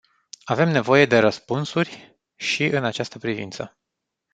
Avem nevoie de răspunsuri și în această privință.